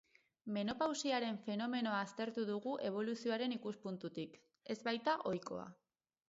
Menopausiaren femomenoa aztertu dugu eboluzioaren ikuspuntutik, ez baita ohikoa.